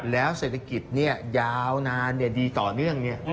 แล้วเศรษฐกิจยาวนานดีต่อเนื่อง